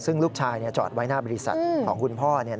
ซึ่งลูกชายจอดไว้หน้าบริษัทของคุณพ่อ